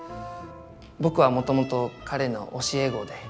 僕はもともと彼の教え子で。